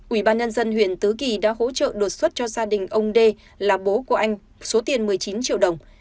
ủy ban nhân dân huyện tứ kỳ đã hỗ trợ đột xuất cho gia đình ông đê là bố của anh số tiền một mươi chín triệu đồng